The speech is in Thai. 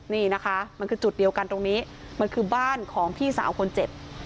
นี่นะคะมันคือจุดเดียวกันตรงนี้มันคือบ้านของพี่สาวคนเจ็บ